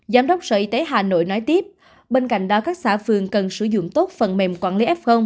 giám đốc sở y tế hà nội nói tiếp bên cạnh đó các xã phường cần sử dụng tốt phần mềm quản lý f